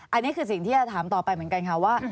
อันนี้คือสิ่งที่จะถามต่อไปเหมือนกันค่ะว่า